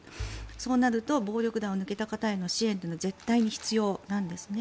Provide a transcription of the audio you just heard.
そうなると暴力団を抜けた方への支援というのは絶対に必要なんですね。